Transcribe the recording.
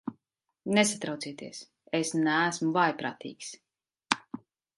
Nesatraucieties, es neesmu vājprātīgs.